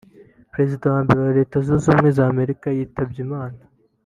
perezida wa mbere wa Leta Zunze Ubumwe za Amerika yitabye Imana